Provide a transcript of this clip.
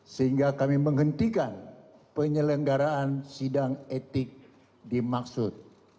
sehingga kami menghentikan penyelenggaraan sidang etik dimaksud